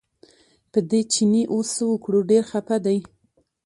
په دې چیني اوس څه وکړو ډېر خپه دی.